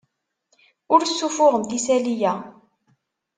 Ur ssuffuɣemt isali-a.